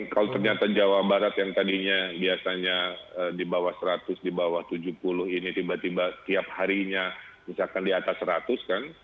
kalau ternyata jawa barat yang tadinya biasanya di bawah seratus di bawah tujuh puluh ini tiba tiba tiap harinya misalkan di atas seratus kan